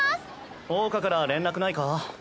桜花から連絡ないか？